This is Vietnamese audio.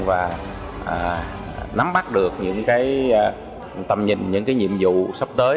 và nắm bắt được những cái tầm nhìn những cái nhiệm vụ sắp tới